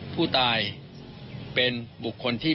ผู้ตายเป็นบุคคลที่